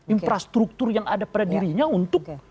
infrastruktur yang ada pada dirinya untuk